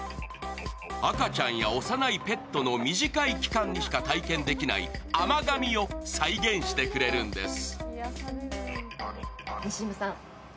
赤ちゃんや幼いペットの短い期間にしか体験できない甘噛みを再現してくれるんです。